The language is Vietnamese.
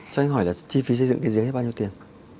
cho anh hỏi là chi phí xây dựng cái giếng ấy bao nhiêu tiền